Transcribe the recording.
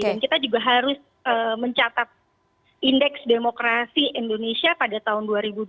dan kita juga harus mencatat indeks demokrasi indonesia pada tahun dua ribu dua puluh satu